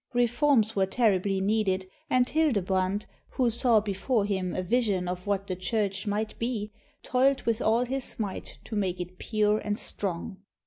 Reforms were terribly needed, and Hildebrand, who saw before him a vision of what the Church might be, toiled with all his might to make it pure and strong.